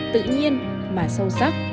tự nhiên mà sâu sắc